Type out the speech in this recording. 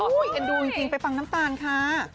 เอ็นดูจริงไปฟังน้ำตาลค่ะ